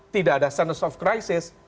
tidak ada sense of crisis